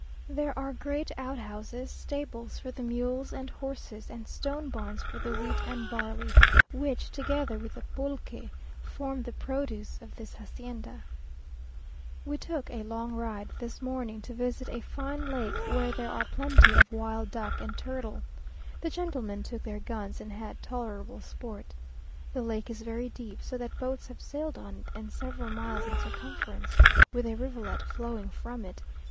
There are great outhouses, stables for the mules and horses, and stone barns for the wheat and barley, which, together with pulque, form the produce of this hacienda. We took a long ride this morning to visit a fine lake where there are plenty of wild duck and turtle. The gentlemen took their guns and had tolerable sport. The lake is very deep, so that boats have sailed on it, and several miles in circumference, with a rivulet flowing from it.